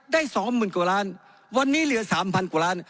สองหมื่นกว่าล้านวันนี้เหลือ๓๐๐กว่าล้าน